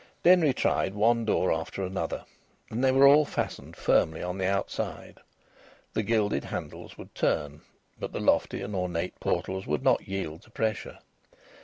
Denry tried one door after another, and they were all fastened firmly on the outside. The gilded handles would turn, but the lofty and ornate portals would not yield to pressure.